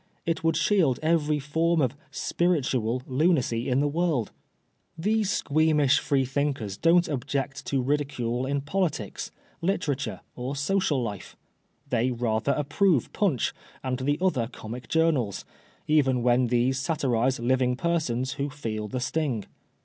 It would shield every form of ' spiritual ' lunacy in the world. These squeamish Freethinkers don't object to ridicule in politics, literature or social life. They rather approve Punch and the other comic journals, even when these satirise living persons who feel the sting.